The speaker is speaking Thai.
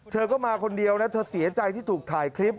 เธอก็มาคนเดียวนะเธอเสียใจที่ถูกถ่ายคลิป